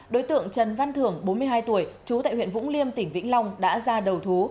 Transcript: đối tượng trần văn thưởng bốn mươi hai tuổi trú tại huyện vũng liêm tỉnh vĩnh long đã ra đầu thú